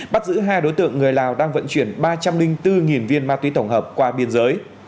bắt giữ hai đối tượng người lào đang vận chuyển ba trăm linh bốn viên ma túy tổng hợp qua biên giới